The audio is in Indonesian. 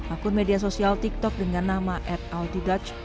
akun media sosial tiktok dengan nama adaltigach